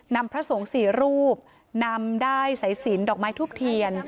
พระสงฆ์สี่รูปนำได้สายสินดอกไม้ทุบเทียน